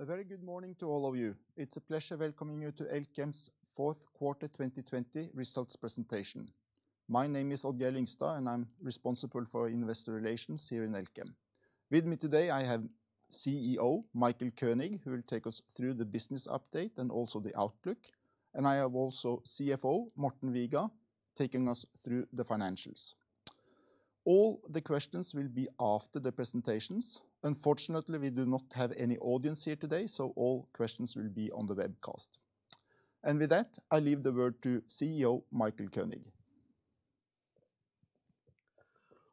A very good morning to all of you. It's a pleasure welcoming you to Elkem's fourth quarter 2020 results presentation. My name is Odd-Geir Lyngstad, and I'm responsible for investor relations here in Elkem. With me today I have CEO Michael Koenig, who will take us through the business update and also the outlook, and I have also CFO Morten Viga taking us through the financials. All the questions will be after the presentations. Unfortunately, we do not have any audience here today, so all questions will be on the webcast. With that, I leave the word to CEO Michael Koenig.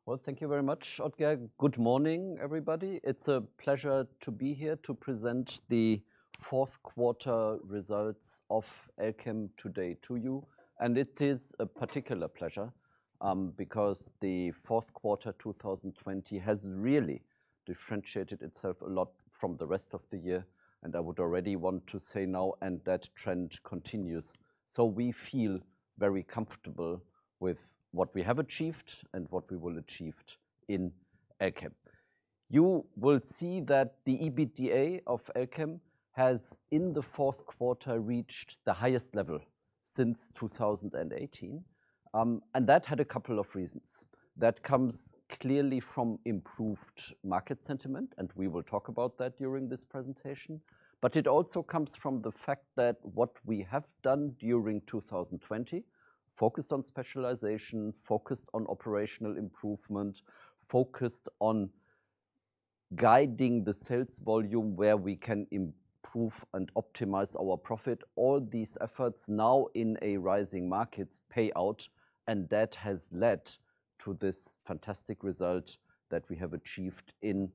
Well, thank you very much, Odd-Geir. Good morning, everybody. It's a pleasure to be here to present the fourth quarter results of Elkem today to you. It is a particular pleasure, because the fourth quarter 2020 has really differentiated itself a lot from the rest of the year, and I would already want to say now, and that trend continues. We feel very comfortable with what we have achieved and what we will achieve in Elkem. You will see that the EBITDA of Elkem has, in the fourth quarter, reached the highest level since 2018. That had a couple of reasons. That comes clearly from improved market sentiment, and we will talk about that during this presentation. It also comes from the fact that what we have done during 2020, focused on specialization, focused on operational improvement, focused on guiding the sales volume where we can improve and optimize our profit. All these efforts now in a rising market pay out, and that has led to this fantastic result that we have achieved in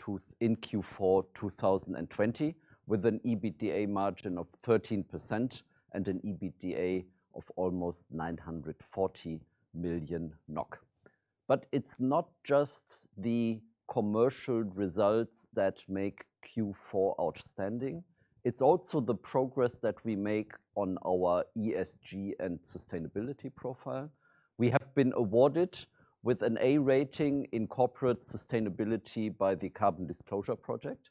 Q4 2020, with an EBITDA margin of 13% and an EBITDA of almost 940 million NOK. It's not just the commercial results that make Q4 outstanding. It's also the progress that we make on our ESG and sustainability profile. We have been awarded with an A rating in corporate sustainability by the Carbon Disclosure Project,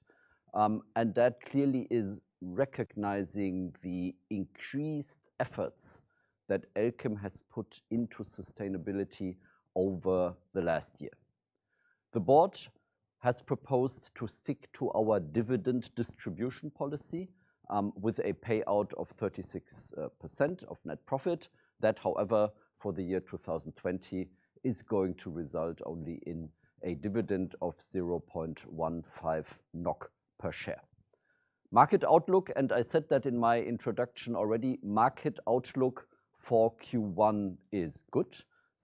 and that clearly is recognizing the increased efforts that Elkem has put into sustainability over the last year. The board has proposed to stick to our dividend distribution policy, with a payout of 36% of net profit. That, however, for the year 2020, is going to result only in a dividend of 0.15 NOK per share. Market outlook, I said that in my introduction already, market outlook for Q1 is good.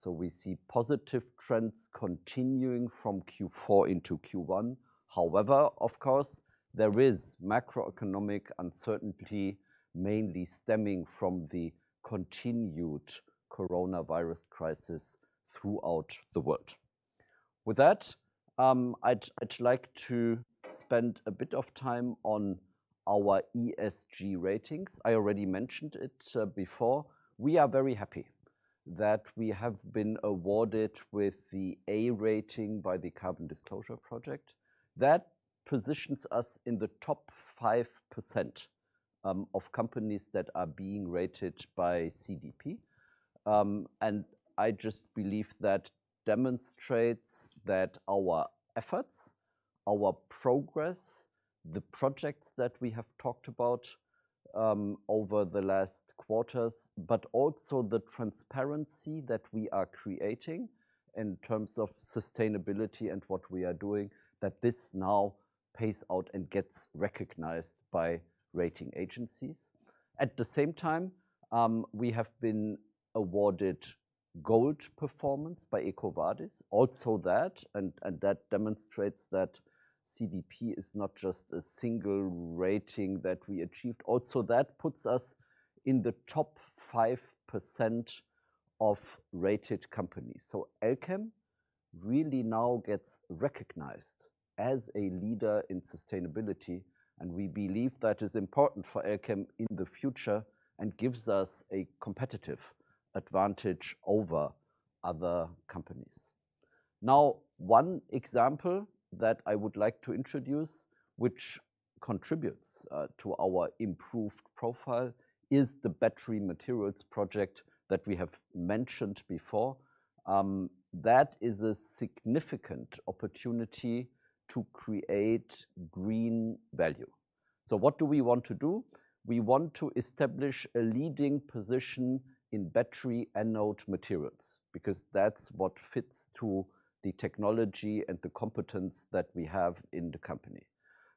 We see positive trends continuing from Q4 into Q1. However, of course, there is macroeconomic uncertainty, mainly stemming from the continued coronavirus crisis throughout the world. With that, I'd like to spend a bit of time on our ESG ratings. I already mentioned it before. We are very happy that we have been awarded with the A rating by the Carbon Disclosure Project. That positions us in the top 5% of companies that are being rated by CDP. I just believe that demonstrates that our efforts, our progress, the projects that we have talked about over the last quarters, but also the transparency that we are creating in terms of sustainability and what we are doing, that this now pays out and gets recognized by rating agencies. At the same time, we have been awarded Gold performance by EcoVadis. That, and that demonstrates that CDP is not just a single rating that we achieved. That puts us in the top 5% of rated companies. Elkem really now gets recognized as a leader in sustainability, and we believe that is important for Elkem in the future and gives us a competitive advantage over other companies. One example that I would like to introduce, which contributes to our improved profile, is the battery materials project that we have mentioned before. That is a significant opportunity to create green value. What do we want to do? We want to establish a leading position in battery anode materials, because that's what fits to the technology and the competence that we have in the company.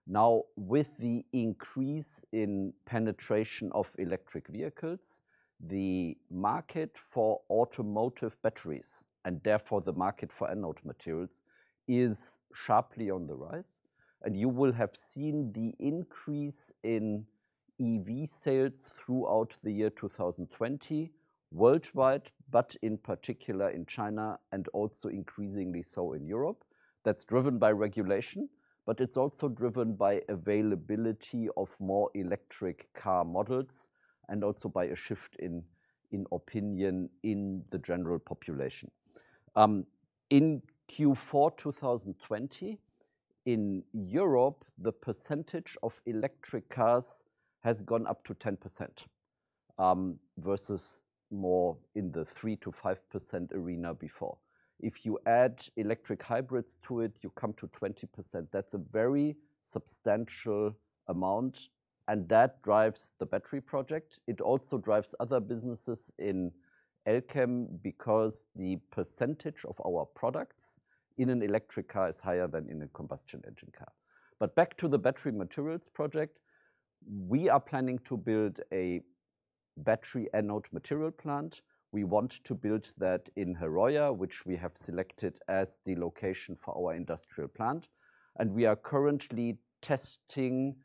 Now, with the increase in penetration of electric vehicles, the market for automotive batteries, and therefore the market for anode materials, is sharply on the rise. You will have seen the increase in EV sales throughout the year 2020 worldwide, but in particular in China and also increasingly so in Europe. That's driven by regulation, but it's also driven by availability of more electric car models and also by a shift in opinion in the general population. In Q4 2020, in Europe, the percentage of electric cars has gone up to 10%, versus more in the 3%-5% arena before. If you add electric hybrids to it, you come to 20%. That's a very substantial amount, and that drives the battery project. It also drives other businesses in Elkem because the percentage of our products in an electric car is higher than in a combustion engine car. Back to the battery materials project. We are planning to build a battery anode material plant. We want to build that in Herøya Industrial Park, which we have selected as the location for our industrial plant. We are currently testing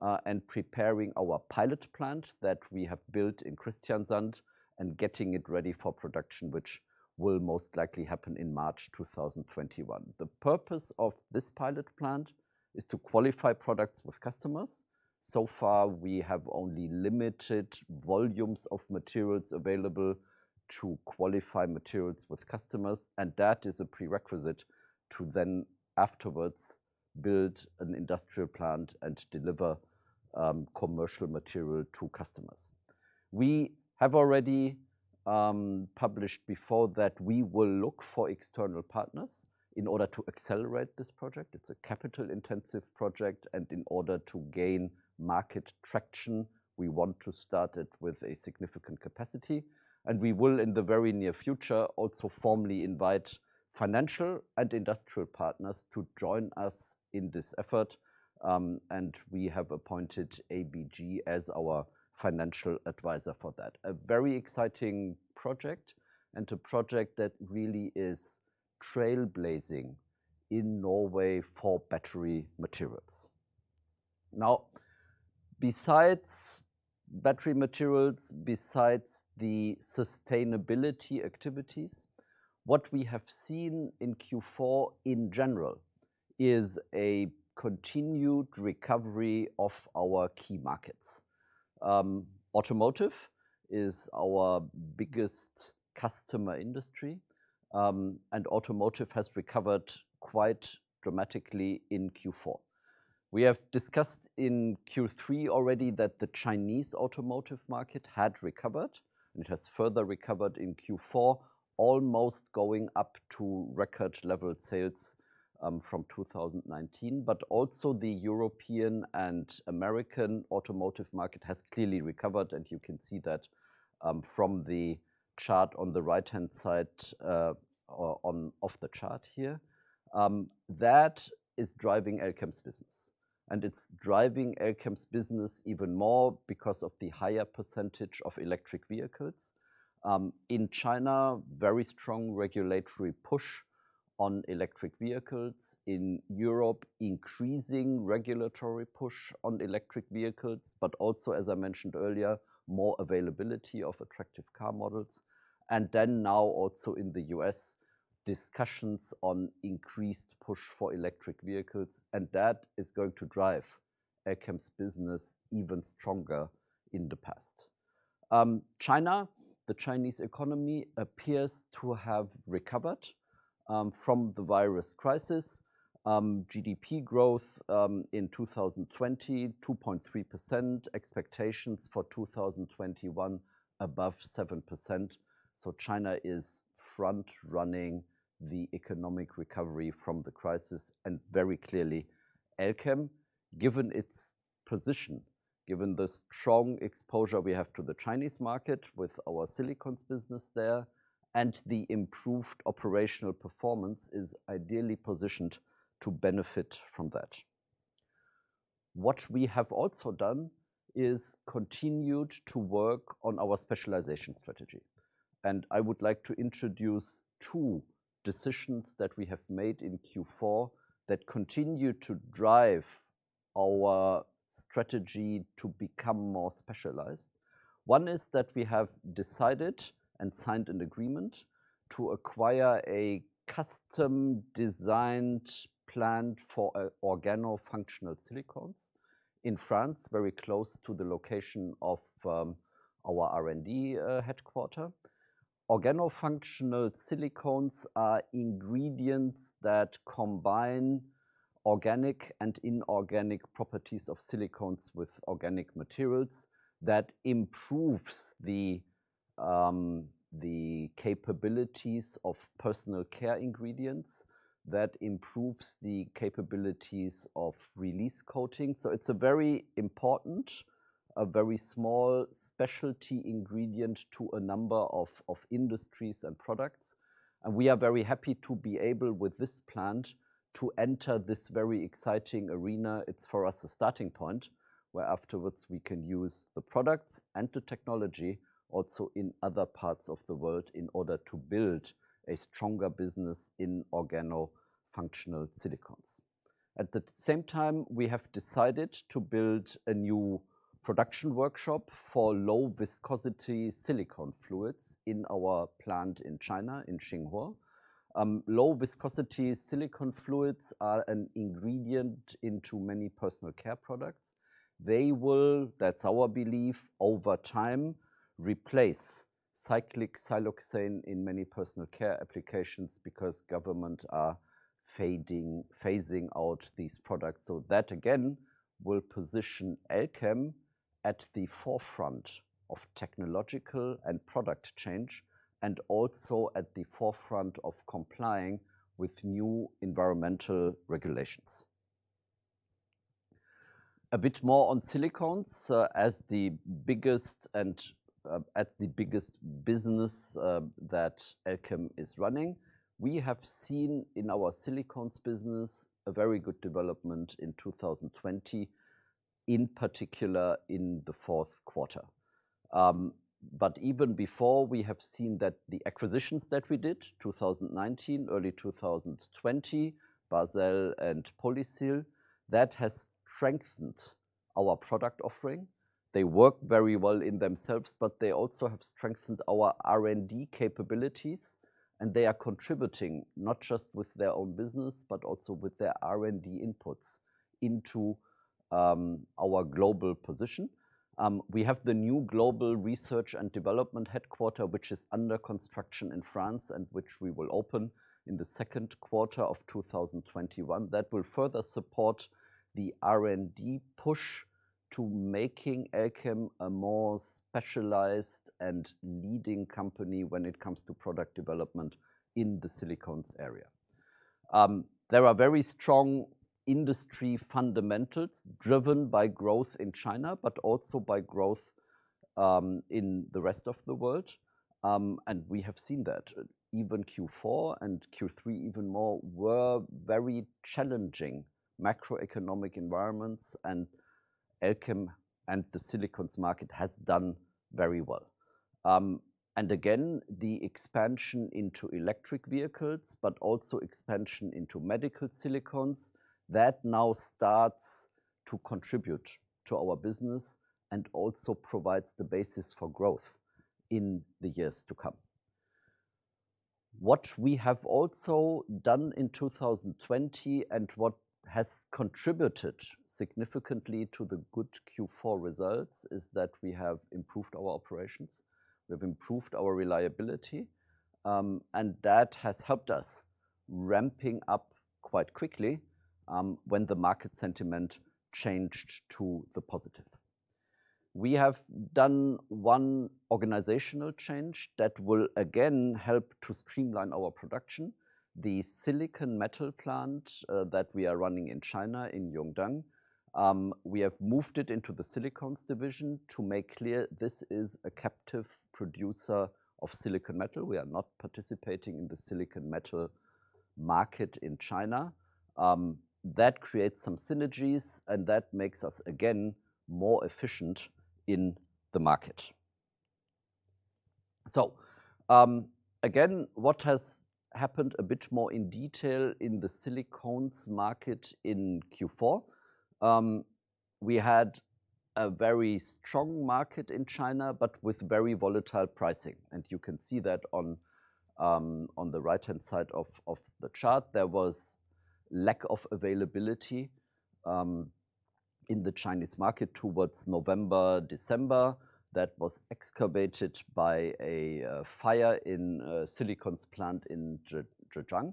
and preparing our pilot plant that we have built in Kristiansand and getting it ready for production, which will most likely happen in March 2021. The purpose of this pilot plant is to qualify products with customers. Far, we have only limited volumes of materials available to qualify materials with customers, and that is a prerequisite to then afterwards build an industrial plant and deliver commercial material to customers. We have already published before that we will look for external partners in order to accelerate this project. It's a capital-intensive project, and in order to gain market traction, we want to start it with a significant capacity. We will, in the very near future, also formally invite financial and industrial partners to join us in this effort, and we have appointed ABG Sundal Collier as our financial advisor for that. A very exciting project and a project that really is trailblazing in Norway for battery materials. Besides battery materials, besides the sustainability activities, what we have seen in Q4 in general is a continued recovery of our key markets. Automotive is our biggest customer industry, and automotive has recovered quite dramatically in Q4. We have discussed in Q3 already that the Chinese automotive market had recovered, and it has further recovered in Q4, almost going up to record-level sales from 2019. Also the European and American automotive market has clearly recovered, and you can see that from the chart on the right-hand side of the chart here. That is driving Elkem's business, and it's driving Elkem's business even more because of the higher percentage of electric vehicles. In China, very strong regulatory push on electric vehicles. In Europe, increasing regulatory push on electric vehicles, but also, as I mentioned earlier, more availability of attractive car models. Now also in the U.S., discussions on increased push for electric vehicles, and that is going to drive Elkem's business even stronger in the past. China, the Chinese economy appears to have recovered from the virus crisis. GDP growth in 2020, 2.3%. Expectations for 2021 above 7%. China is front-running the economic recovery from the crisis. Very clearly, Elkem, given its position, given the strong exposure we have to the Chinese market with our Silicones business there and the improved operational performance, is ideally positioned to benefit from that. What we have also done is continued to work on our specialization strategy. I would like to introduce two decisions that we have made in Q4 that continue to drive our strategy to become more specialized. One is that we have decided and signed an agreement to acquire a custom-designed plant for organofunctional Silicones in France, very close to the location of our R&D headquarter. Organofunctional Silicones are ingredients that combine organic and inorganic properties of Silicones with organic materials that improves the capabilities of personal care ingredients, that improves the capabilities of release coating. It's a very important, a very small specialty ingredient to a number of industries and products. We are very happy to be able, with this plant, to enter this very exciting arena. It's, for us, a starting point where afterwards we can use the products and the technology also in other parts of the world in order to build a stronger business in organofunctional Silicones. At the same time, we have decided to build a new production workshop for low-viscosity silicone fluids in our plant in China, in Xinghuo. Low-viscosity silicone fluids are an ingredient in many personal care products. They will, that's our belief, over time, replace cyclic siloxane in many personal care applications because governments are phasing out these products. That, again, will position Elkem at the forefront of technological and product change, and also at the forefront of complying with new environmental regulations. A bit more on Silicones, as the biggest business that Elkem is running. We have seen in our Silicones business a very good development in 2020, in particular in the fourth quarter. Even before, we have seen that the acquisitions that we did, 2019, early 2020, Basel Chemie and Polysil, that has strengthened our product offering. They work very well in themselves, but they also have strengthened our R&D capabilities, and they are contributing not just with their own business, but also with their R&D inputs into our global position. We have the new global research and development headquarter, which is under construction in France, and which we will open in the second quarter of 2021. That will further support the R&D push to making Elkem a more specialized and leading company when it comes to product development in the Silicones area. There are very strong industry fundamentals driven by growth in China, but also by growth in the rest of the world, and we have seen that. Even Q4 and Q3 even more were very challenging macroeconomic environments, and Elkem and the Silicones market has done very well. The expansion into electric vehicles, but also expansion into medical Silicones, that now starts to contribute to our business and also provides the basis for growth in the years to come. What we have also done in 2020 and what has contributed significantly to the good Q4 results is that we have improved our operations. We have improved our reliability, and that has helped us ramping up quite quickly when the market sentiment changed to the positive. We have done one organizational change that will, again, help to streamline our production. The silicon metal plant that we are running in China, in Yongdeng, we have moved it into the Silicones division to make clear this is a captive producer of silicon metal. We are not participating in the silicon metal market in China. That creates some synergies, and that makes us, again, more efficient in the market. Again, what has happened a bit more in detail in the Silicones market in Q4, we had a very strong market in China, but with very volatile pricing, and you can see that on the right-hand side of the chart. There was lack of availability in the Chinese market towards November, December, that was exacerbated by a fire in a Silicones plant in Zhejiang.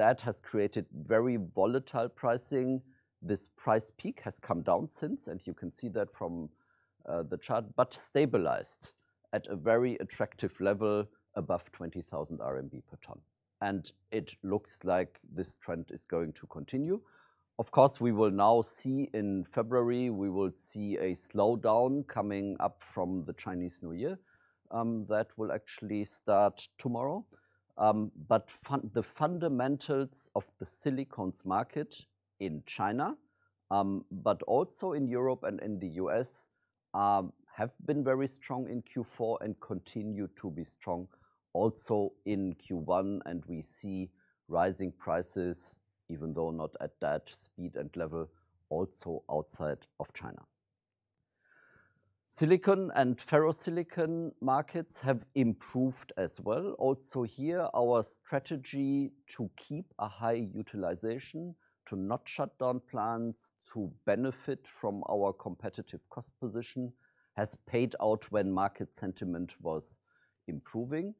That has created very volatile pricing. This price peak has come down since, and you can see that from the chart, but stabilized at a very attractive level above 20,000 RMB per ton. It looks like this trend is going to continue. Of course, we will now see in February, we will see a slowdown coming up from the Chinese New Year. That will actually start tomorrow. The fundamentals of the Silicones market in China, also in Europe and in the U.S., have been very strong in Q4 and continue to be strong also in Q1. We see rising prices, even though not at that speed and level, also outside of China. Silicon and ferrosilicon markets have improved as well. Here, our strategy to keep a high utilization, to not shut down plants, to benefit from our competitive cost position, has paid out when market sentiment was improving.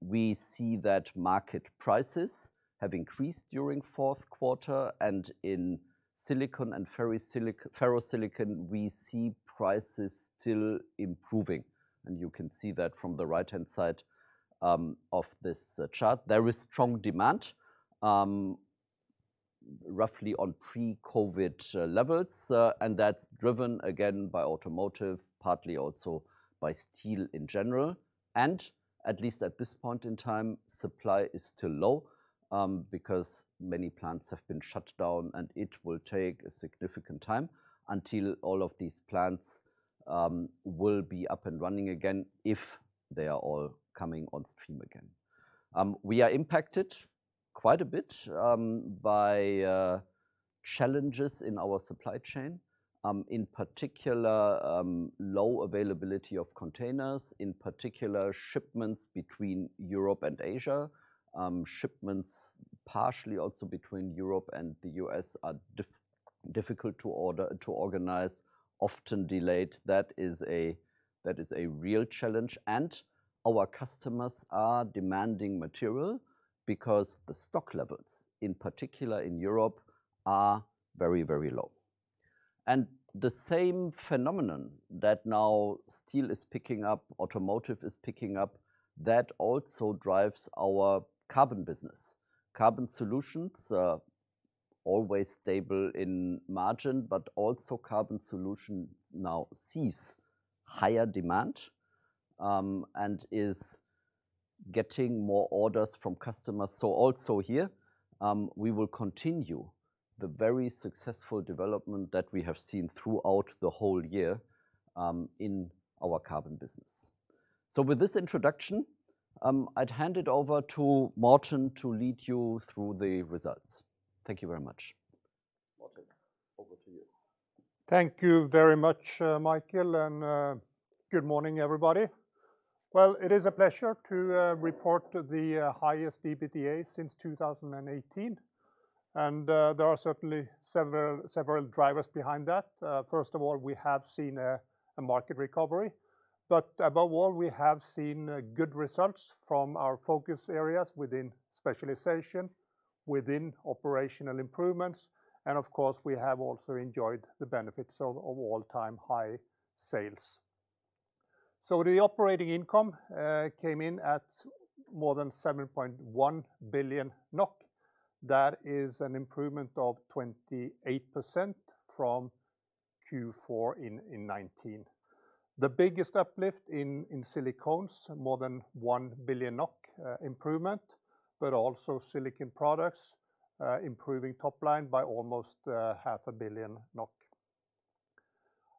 We see that market prices have increased during fourth quarter, and in silicon and ferrosilicon, we see prices still improving. You can see that from the right-hand side of this chart. There is strong demand, roughly on pre-COVID-19 levels. That's driven, again, by automotive, partly also by steel in general. At least at this point in time, supply is still low, because many plants have been shut down and it will take a significant time until all of these plants will be up and running again, if they are all coming on stream again. We are impacted quite a bit by challenges in our supply chain, in particular, low availability of containers, in particular shipments between Europe and Asia. Shipments partially also between Europe and the U.S. are difficult to organize, often delayed. That is a real challenge, and our customers are demanding material because the stock levels, in particular in Europe, are very low. The same phenomenon that now steel is picking up, automotive is picking up, that also drives our Carbon Solutions business. Carbon Solutions, always stable in margin, but also Carbon Solutions now sees higher demand, and is getting more orders from customers. Also here, we will continue the very successful development that we have seen throughout the whole year in our Carbon business. With this introduction, I'd hand it over to Morten to lead you through the results. Thank you very much. Morten, over to you. Thank you very much, Michael, and good morning, everybody. Well, it is a pleasure to report the highest EBITDA since 2018, and there are certainly several drivers behind that. First of all, we have seen a market recovery. Above all, we have seen good results from our focus areas within specialization, within operational improvements, and of course, we have also enjoyed the benefits of all-time high sales. The operating income came in at more than 7.1 billion NOK. That is an improvement of 28% from Q4 in 2019. The biggest uplift in Silicones, more than 1 billion NOK improvement, but also Silicon Products improving top line by almost 0.5 Billion NOK.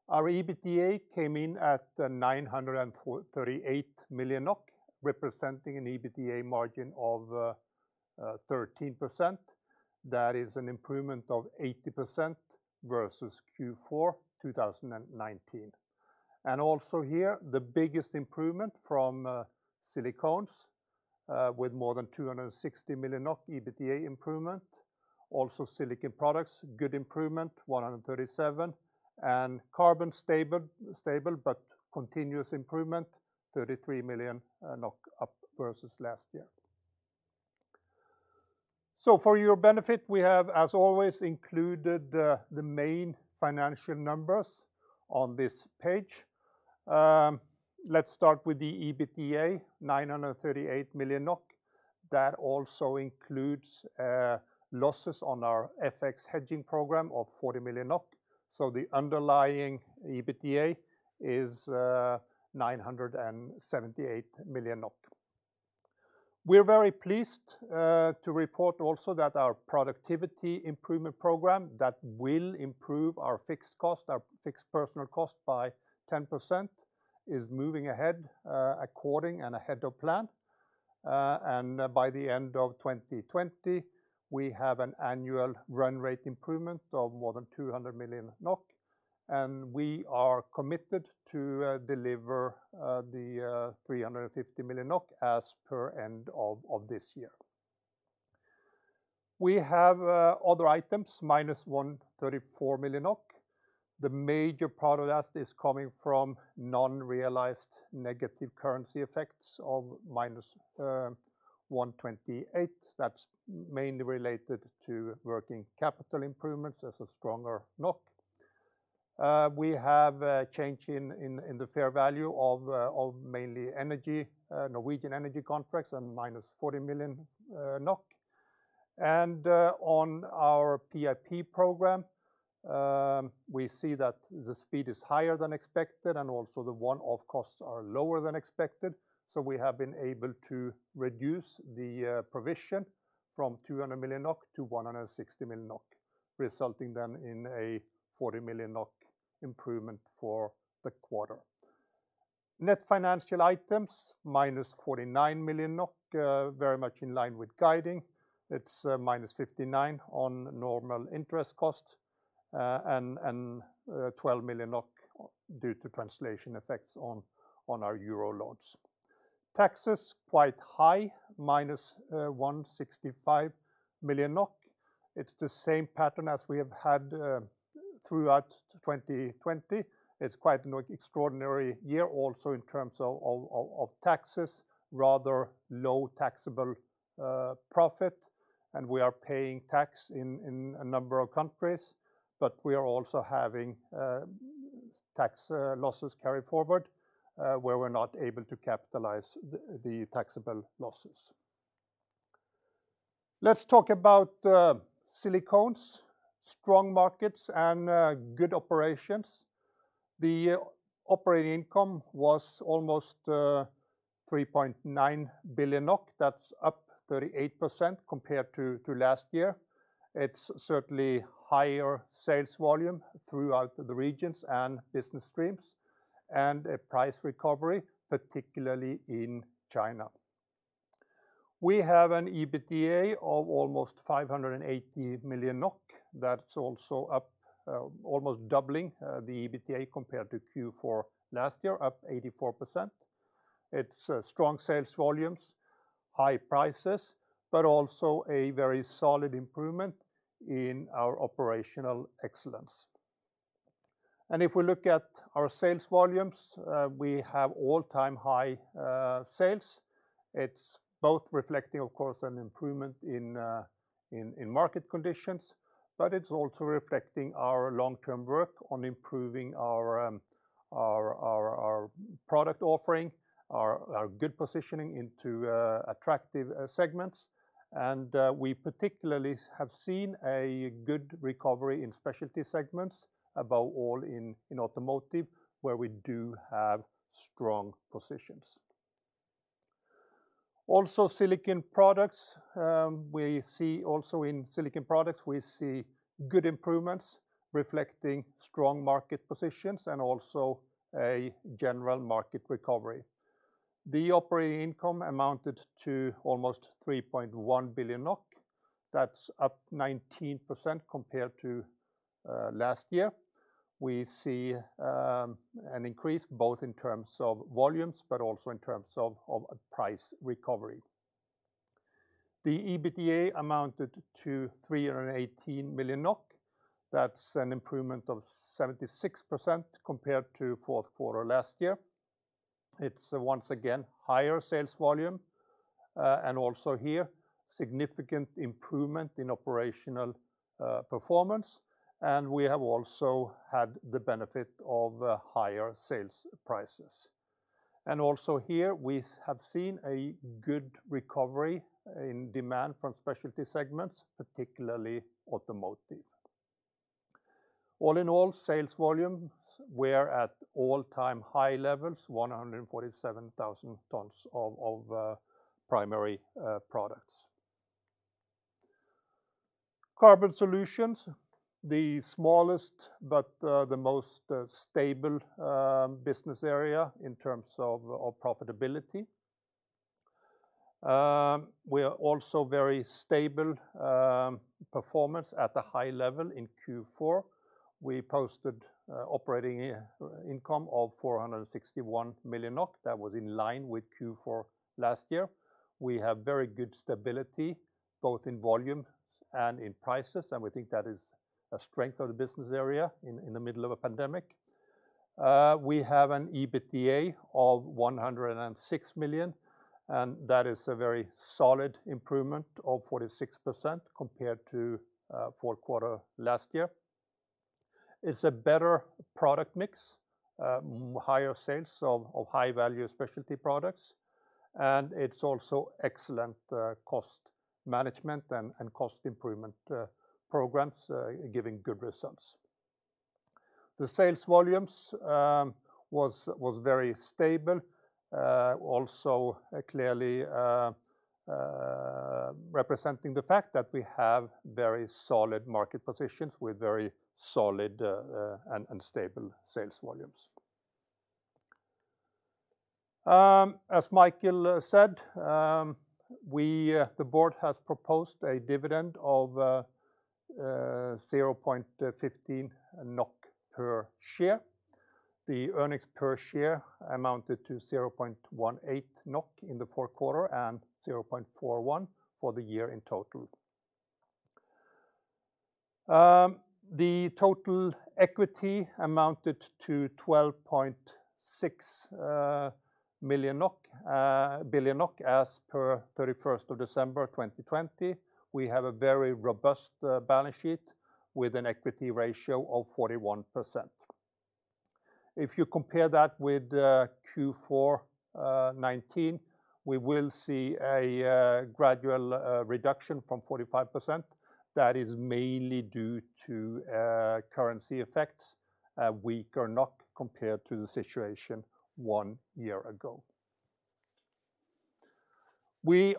Our EBITDA came in at 938 million NOK, representing an EBITDA margin of 13%. That is an improvement of 80% versus Q4 2019. Also here, the biggest improvement from Silicones, with more than 260 million NOK EBITDA improvement. Also Silicon Products, good improvement, 137 million. Carbon Solutions stable, but continuous improvement, 33 million NOK up versus last year. For your benefit, we have, as always, included the main financial numbers on this page. Let's start with the EBITDA, 938 million NOK. That also includes losses on our FX hedging program of 40 million NOK. The underlying EBITDA is 978 million NOK. We're very pleased to report also that our productivity improvement program that will improve our fixed personal cost by 10%, is moving ahead according and ahead of plan. By the end of 2020, we have an annual run rate improvement of more than 200 million NOK, and we are committed to deliver the 350 million NOK as per end of this year. We have other items, -134 million. The major part of that is coming from non-realized negative currency effects of -128. That's mainly related to working capital improvements as a stronger NOK. We have a change in the fair value of mainly energy, Norwegian energy contracts, and -40 million NOK. On our PIP program, we see that the speed is higher than expected, and also the one-off costs are lower than expected, so we have been able to reduce the provision from 200 million-160 million NOK, resulting then in a 40 million NOK improvement for the quarter. Net financial items, -49 million NOK, very much in line with guiding. It's -59 on normal interest costs, and 12 million NOK due to translation effects on our euro loans. Taxes, quite high, -165 million NOK. It's the same pattern as we have had throughout 2020. It's quite an extraordinary year also in terms of taxes, rather low taxable profit. We are paying tax in a number of countries. We are also having tax losses carry forward, where we're not able to capitalize the taxable losses. Let's talk about Silicones, strong markets, and good operations. The operating income was almost 3.9 billion NOK. That's up 38% compared to last year. It's certainly higher sales volume throughout the regions and business streams, and a price recovery, particularly in China. We have an EBITDA of almost 580 million NOK. That's also up, almost doubling the EBITDA compared to Q4 last year, up 84%. It's strong sales volumes, high prices, but also a very solid improvement in our operational excellence. If we look at our sales volumes, we have all-time high sales. It's both reflecting, of course, an improvement in market conditions, but it's also reflecting our long-term work on improving our product offering, our good positioning into attractive segments. We particularly have seen a good recovery in specialty segments, above all in automotive, where we do have strong positions. Also Silicon Products, we see good improvements reflecting strong market positions and also a general market recovery. The operating income amounted to almost 3.1 billion NOK. That's up 19% compared to last year. We see an increase both in terms of volumes but also in terms of price recovery. The EBITDA amounted to 318 million NOK. That's an improvement of 76% compared to fourth quarter last year. It's once again, higher sales volume, and also here, significant improvement in operational performance, and we have also had the benefit of higher sales prices. Also here, we have seen a good recovery in demand from specialty segments, particularly automotive. All in all, sales volumes were at all-time high levels, 147,000 tons of primary products. Carbon Solutions, the smallest but the most stable business area in terms of profitability. We are also very stable performance at the high level in Q4. We posted operating income of 461 million NOK. That was in line with Q4 last year. We have very good stability, both in volume and in prices. We think that is a strength of the business area in the middle of a pandemic. We have an EBITDA of 106 million. That is a very solid improvement of 46% compared to fourth quarter last year. It's a better product mix, higher sales of high-value specialty products. It's also excellent cost management and cost improvement programs giving good results. The sales volumes was very stable, also clearly representing the fact that we have very solid market positions with very solid and stable sales volumes. As Michael said, the board has proposed a dividend of 0.15 NOK per share. The earnings per share amounted to 0.18 NOK in the fourth quarter and 0.41 for the year in total. The total equity amounted to 12.6 billion NOK as per 31st of December 2020. We have a very robust balance sheet with an equity ratio of 41%. If you compare that with Q4 2019, we will see a gradual reduction from 45%. That is mainly due to currency effects, weaker NOK compared to the situation one year ago. We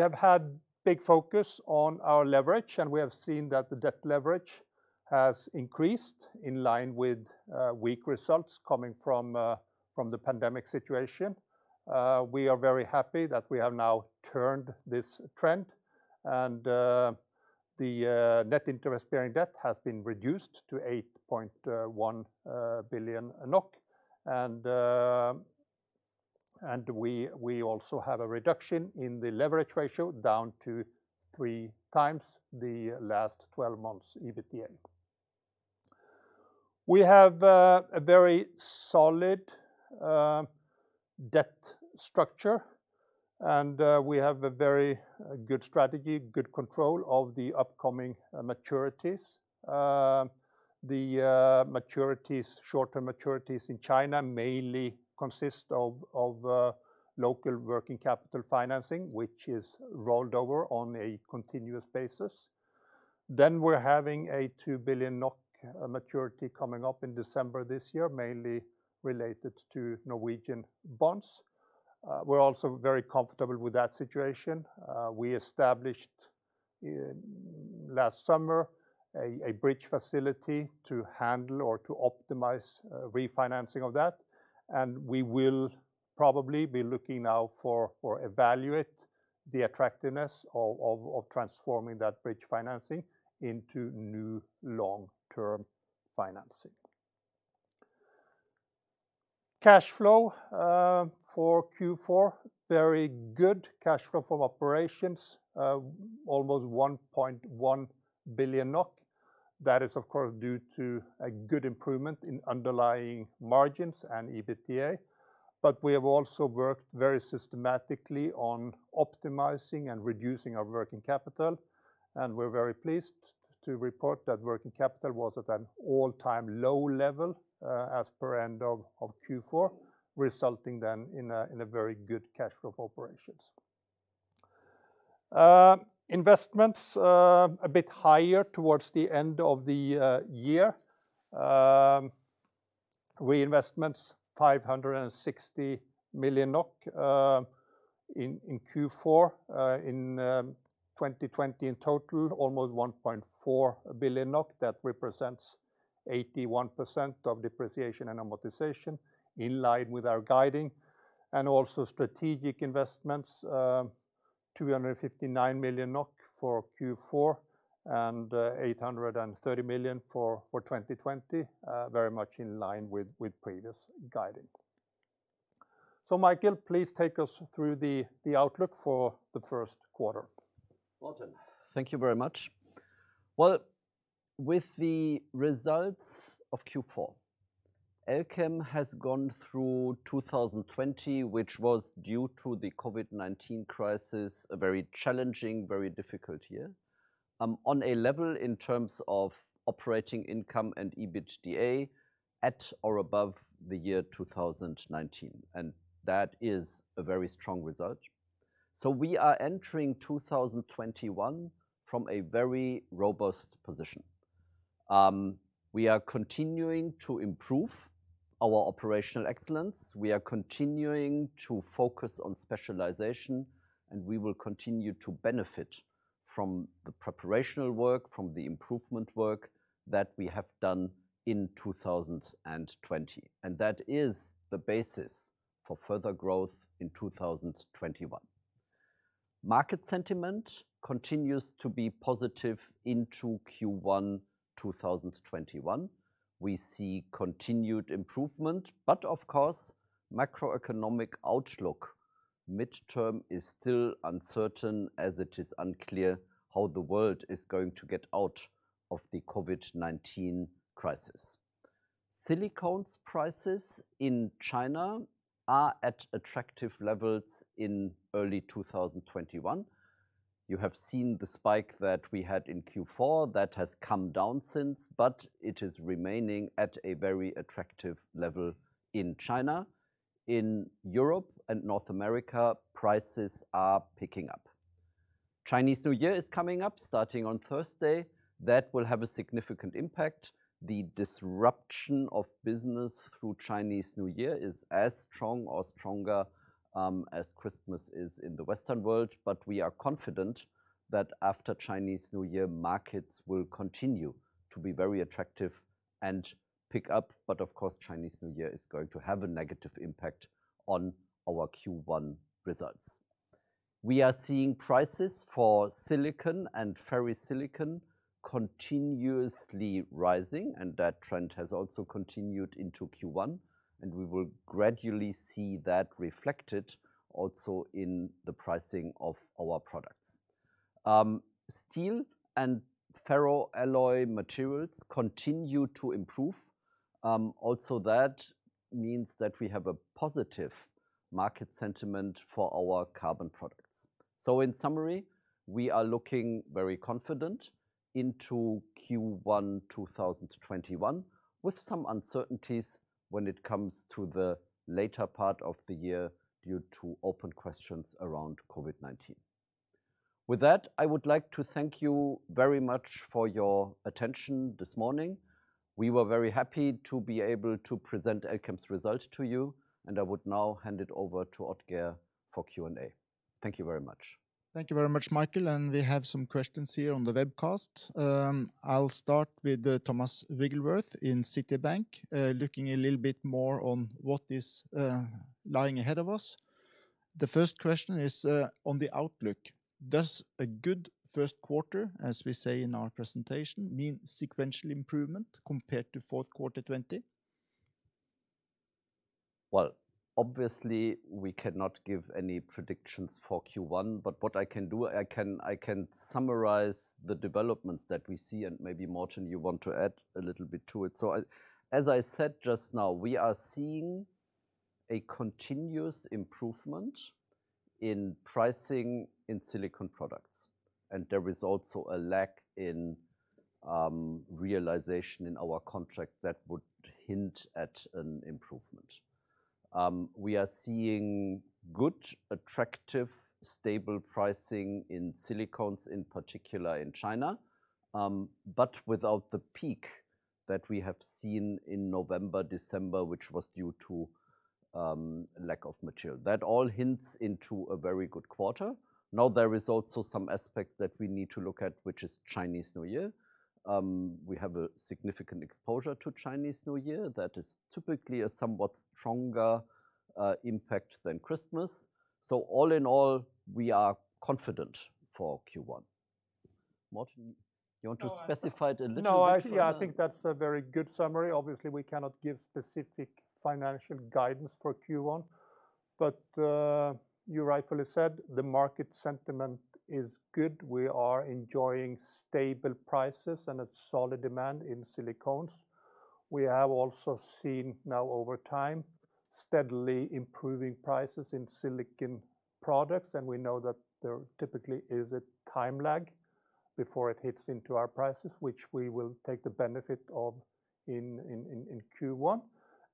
have had big focus on our leverage, and we have seen that the debt leverage has increased in line with weak results coming from the pandemic situation. The net interest-bearing debt has been reduced to 8.1 billion NOK, and we also have a reduction in the leverage ratio down to three times the last 12 months EBITDA. We have a very solid debt structure. We have a very good strategy, good control of the upcoming maturities. The short-term maturities in China mainly consist of local working capital financing, which is rolled over on a continuous basis. We're having a 2 billion NOK maturity coming up in December this year, mainly related to Norwegian bonds. We're also very comfortable with that situation. We established last summer a bridge facility to handle or to optimize refinancing of that. We will probably be looking now for or evaluate the attractiveness of transforming that bridge financing into new long-term financing. Cash flow for Q4, very good cash flow from operations, almost 1.1 billion NOK. That is, of course, due to a good improvement in underlying margins and EBITDA. We have also worked very systematically on optimizing and reducing our working capital, and we are very pleased to report that working capital was at an all-time low level as per end of Q4, resulting then in a very good cash flow from operations. Investments, a bit higher towards the end of the year. Reinvestments NOK 560 million in Q4. In 2020, in total, almost 1.4 billion NOK. That represents 81% of depreciation and amortization, in line with our guiding. Also strategic investments, 259 million NOK for Q4 and 830 million for 2020. Very much in line with previous guiding. Michael, please take us through the outlook for the first quarter. Morten, thank you very much. With the results of Q4, Elkem has gone through 2020, which was, due to the COVID-19 crisis, a very challenging, very difficult year, on a level in terms of operating income and EBITDA at or above the year 2019, and that is a very strong result. We are entering 2021 from a very robust position. We are continuing to improve our operational excellence. We are continuing to focus on specialization, and we will continue to benefit from the preparational work, from the improvement work that we have done in 2020, and that is the basis for further growth in 2021. Market sentiment continues to be positive into Q1 2021. We see continued improvement, but of course, macroeconomic outlook midterm is still uncertain, as it is unclear how the world is going to get out of the COVID-19 crisis. Silicones prices in China are at attractive levels in early 2021. You have seen the spike that we had in Q4. That has come down since, it is remaining at a very attractive level in China. In Europe and North America, prices are picking up. Chinese New Year is coming up, starting on Thursday. That will have a significant impact. The disruption of business through Chinese New Year is as strong or stronger as Christmas is in the Western world, we are confident that after Chinese New Year, markets will continue to be very attractive and pick up. Of course, Chinese New Year is going to have a negative impact on our Q1 results. We are seeing prices for silicon and ferrosilicon continuously rising, that trend has also continued into Q1, we will gradually see that reflected also in the pricing of our products. Steel and ferroalloy materials continue to improve. That means that we have a positive market sentiment for our carbon products. In summary, we are looking very confident into Q1 2021, with some uncertainties when it comes to the later part of the year due to open questions around COVID-19. With that, I would like to thank you very much for your attention this morning. We were very happy to be able to present Elkem's results to you, and I would now hand it over to Odd-Geir for Q&A. Thank you very much. Thank you very much, Michael, we have some questions here on the webcast. I'll start with Thomas Wrigglesworth in Citibank, looking a little bit more on what is lying ahead of us. The first question is on the outlook. Does a good first quarter, as we say in our presentation, mean sequential improvement compared to fourth quarter 2020? Obviously, we cannot give any predictions for Q1, but what I can do, I can summarize the developments that we see, and maybe Morten, you want to add a little bit to it. As I said just now, we are seeing a continuous improvement in pricing in Silicon Products, and there is also a lack in realization in our contract that would hint at an improvement. We are seeing good, attractive, stable pricing in Silicones, in particular in China, but without the peak that we have seen in November, December, which was due to lack of material. That all hints into a very good quarter. There is also some aspects that we need to look at, which is Chinese New Year. We have a significant exposure to Chinese New Year that is typically a somewhat stronger impact than Christmas. All in all, we are confident for Q1. Morten, you want to specify it a little bit further? Actually, I think that's a very good summary. Obviously, we cannot give specific financial guidance for Q1. You rightfully said the market sentiment is good. We are enjoying stable prices and a solid demand in Silicones. We have also seen now over time steadily improving prices in Silicon Products. We know that there typically is a time lag before it hits into our prices, which we will take the benefit of in Q1.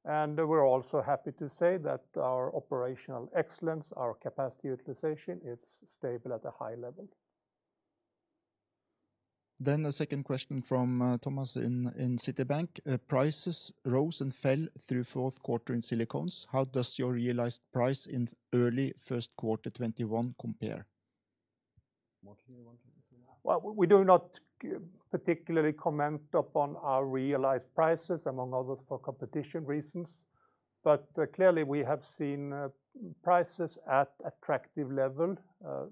We're also happy to say that our operational excellence, our capacity utilization is stable at a high level. A second question from Thomas Wrigglesworth in Citibank. Prices rose and fell through fourth quarter in Silicones. How does your realized price in early first quarter 2021 compare? Morten, you want to answer that? Well, we do not particularly comment upon our realized prices, among others, for competition reasons. Clearly, we have seen prices at attractive levels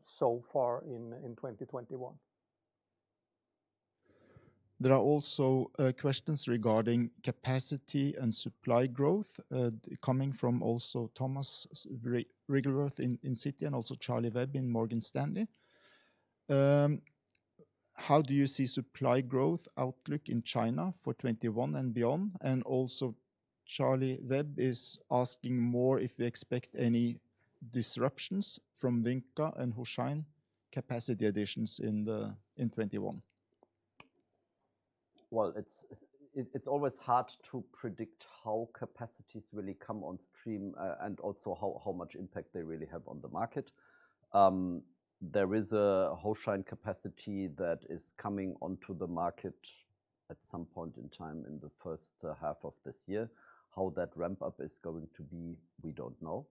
so far in 2021. There are also questions regarding capacity and supply growth, coming from also Thomas Wrigglesworth in Citibank and also Charlie Webb in Morgan Stanley. How do you see supply growth outlook in China for 2021 and beyond? Also, Charlie Webb is asking more if you expect any disruptions from Wynca and Hoshine Silicon Industry capacity additions in 2021. It's always hard to predict how capacities really come on stream, and also how much impact they really have on the market. There is a Hoshine Silicon Industry capacity that is coming onto the market at some point in time in the first half of this year. How that ramp-up is going to be, we don't know.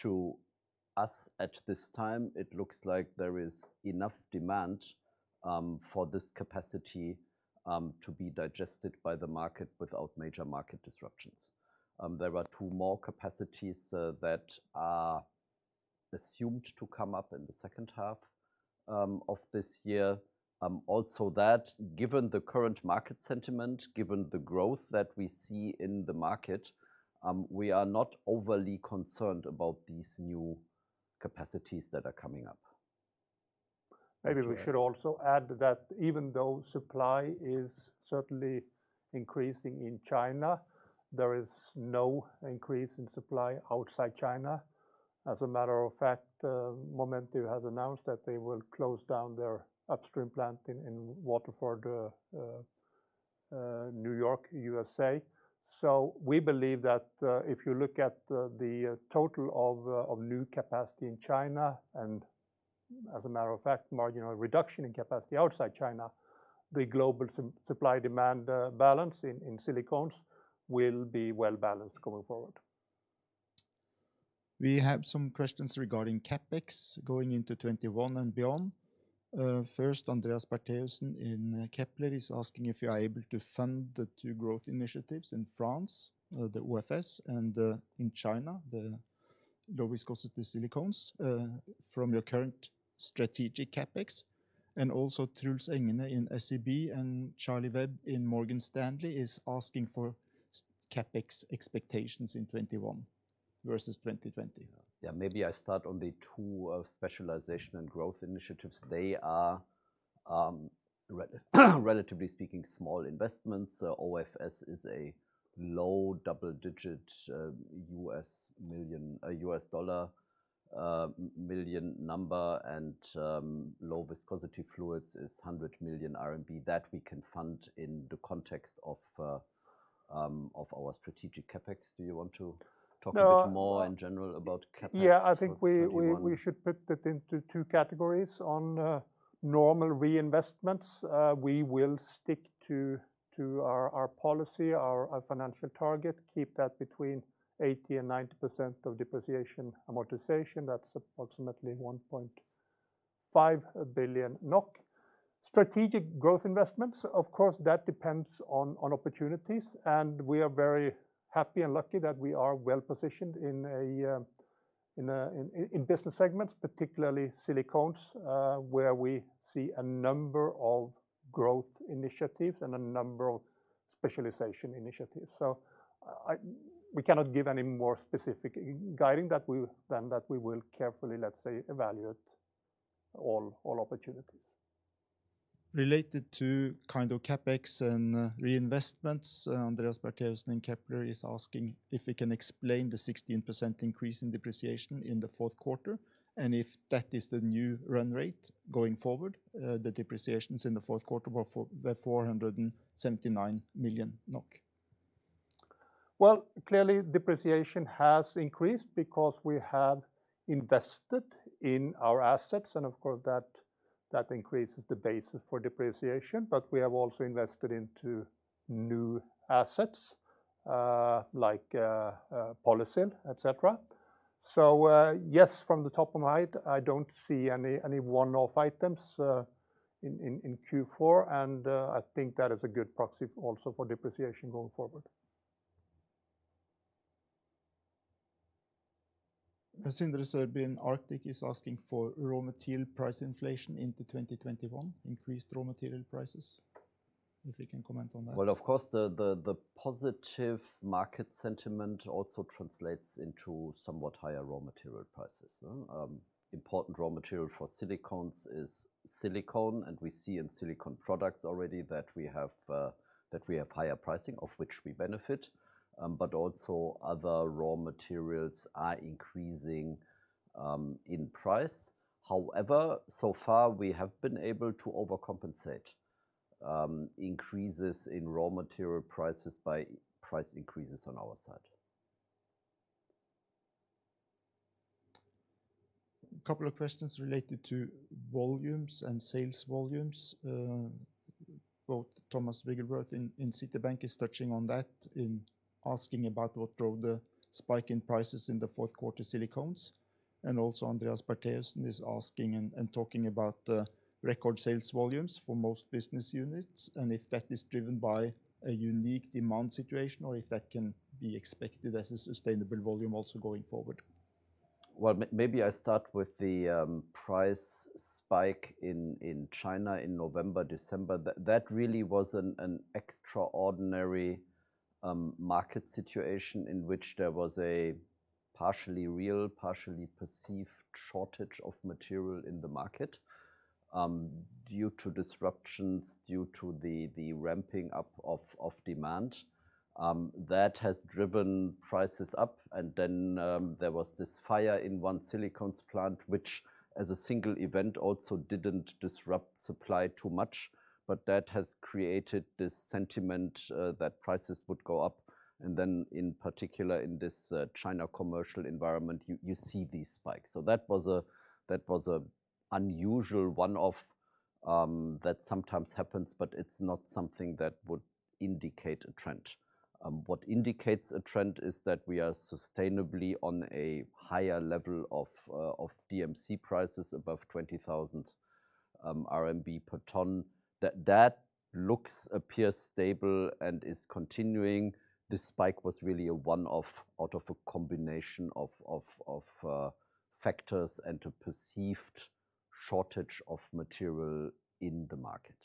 To us at this time, it looks like there is enough demand for this capacity to be digested by the market without major market disruptions. There are two more capacities that are assumed to come up in the second half of this year. Also that, given the current market sentiment, given the growth that we see in the market, we are not overly concerned about these new capacities that are coming up. Maybe we should also add that even though supply is certainly increasing in China, there is no increase in supply outside China. As a matter of fact, Momentive Performance Materials has announced that they will close down their upstream plant in Waterford, N.Y., USA. We believe that if you look at the total of new capacity in China, and as a matter of fact, (marginal) reduction in capacity outside China, the global supply-demand balance in Silicones will be well-balanced going forward. We have some questions regarding CapEx going into 2021 and beyond. First, Andreas Bertheussen in Kepler Cheuvreux is asking if you are able to fund the two growth initiatives in France, the OFS, and in China, the low viscosity Silicones from your current strategic CapEx. Also Truls Engene in SEB and Charlie Webb in Morgan Stanley is asking for CapEx expectations in 2021 versus 2020. Maybe I start on the two specialization and growth initiatives. They are, relatively speaking, small investments. OFS is a low double-digit U.S. dollar million number, and low-viscosity fluids is 100 million RMB. That we can fund in the context of our strategic CapEx. Do you want to talk a bit more in general about CapEx for 2021? Yeah, I think we should put that into two categories. On normal reinvestments, we will stick to our policy, our financial target, keep that between 80% and 90% of depreciation amortization. That's approximately 1.5 billion NOK. Strategic growth investments, of course, that depends on opportunities. We are very happy and lucky that we are well-positioned in business segments, particularly Silicones, where we see a number of growth initiatives and a number of specialization initiatives. We cannot give any more specific guiding than that we will carefully, let's say, evaluate all opportunities. Related to CapEx and reinvestments, Andreas Bertheussen in Kepler Cheuvreux is asking if you can explain the 16% increase in depreciation in the fourth quarter and if that is the new run rate going forward. The depreciations in the fourth quarter were 479 million NOK. Clearly depreciation has increased because we have invested in our assets, and of course that increases the basis for depreciation. We have also invested into new assets, like Polysil, et cetera. Yes, from the top of my head, I don't see any one-off items in Q4, and I think that is a good proxy also for depreciation going forward. Sindre Sørbye in Arctic is asking for raw material price inflation into 2021, increased raw material prices. If you can comment on that. Well, of course, the positive market sentiment also translates into somewhat higher raw material prices. Important raw material for Silicones is silicon metal, and we see in Silicon Products already that we have higher pricing, of which we benefit. Also other raw materials are increasing in price. However, so far, we have been able to overcompensate increases in raw material prices by price increases on our side. A couple of questions related to volumes and sales volumes. Both Thomas Wrigglesworth in Citibank is touching on that and asking about what drove the spike in prices in the fourth quarter Silicones, and also Andreas Bertheussen is asking and talking about the record sales volumes for most business units and if that is driven by a unique demand situation or if that can be expected as a sustainable volume also going forward. Maybe I start with the price spike in China in November, December. That really was an extraordinary market situation in which there was a partially real, partially perceived shortage of material in the market due to disruptions, due to the ramping up of demand. That has driven prices up. Then there was this fire in one Silicones plant, which, as a single event, also didn't disrupt supply too much, but that has created this sentiment that prices would go up. Then in particular in this China commercial environment, you see these spikes. That was an unusual one-off that sometimes happens, but it's not something that would indicate a trend. What indicates a trend is that we are sustainably on a higher level of DMC prices above 20,000 RMB per ton. That looks, appears stable and is continuing. This spike was really a one-off out of a combination of factors and a perceived shortage of material in the market.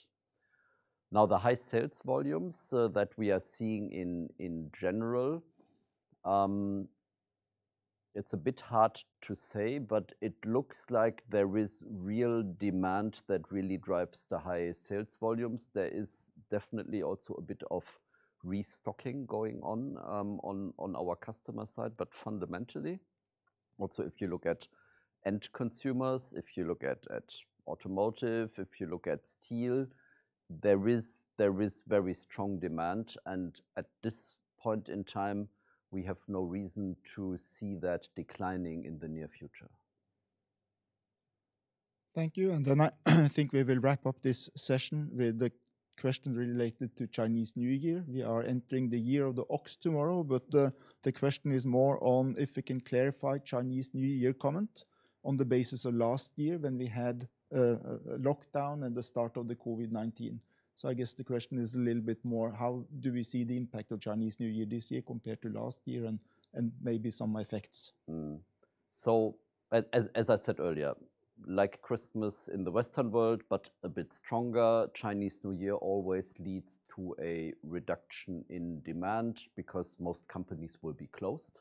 Now, the high sales volumes that we are seeing in general, it's a bit hard to say, but it looks like there is real demand that really drives the high sales volumes. There is definitely also a bit of restocking going on on our customer side. Fundamentally, also if you look at end consumers, if you look at automotive, if you look at steel, there is very strong demand. At this point in time, we have no reason to see that declining in the near future. Thank you. I think we will wrap up this session with the question related to Chinese New Year. We are entering the Year of the Ox tomorrow, the question is more on if we can clarify Chinese New Year comment on the basis of last year when we had a lockdown and the start of the COVID-19. I guess the question is a little bit more, how do we see the impact of Chinese New Year this year compared to last year, and maybe some effects? As I said earlier, like Christmas in the Western world, but a bit stronger, Chinese New Year always leads to a reduction in demand because most companies will be closed,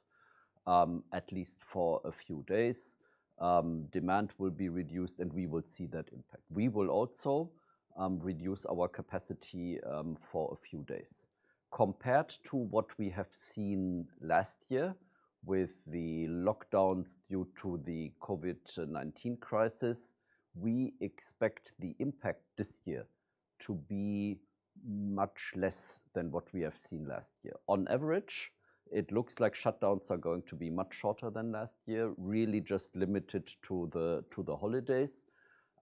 at least for a few days. Demand will be reduced, and we will see that impact. We will also reduce our capacity for a few days. Compared to what we have seen last year with the lockdowns due to the COVID-19 crisis, we expect the impact this year to be much less than what we have seen last year. On average, it looks like shutdowns are going to be much shorter than last year, really just limited to the holidays.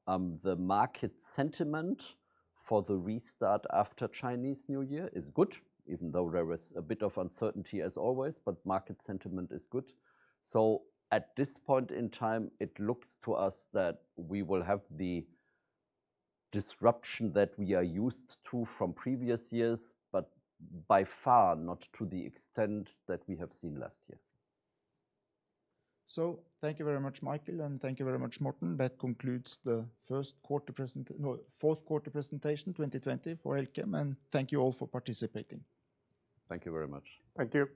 The market sentiment for the restart after Chinese New Year is good, even though there is a bit of uncertainty as always, but market sentiment is good. At this point in time, it looks to us that we will have the disruption that we are used to from previous years, but by far not to the extent that we have seen last year. Thank you very much, Michael, and thank you very much, Morten. That concludes the fourth quarter presentation 2020 for Elkem, and thank you all for participating. Thank you very much. Thank you.